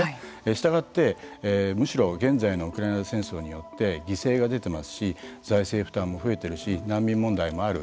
したがって、むしろ現在のウクライナ戦争によって犠牲が出てますし財政負担も増えているし難民問題もある。